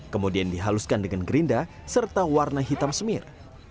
kemudian dihaluskan dengan gerinda serta warna hitam semir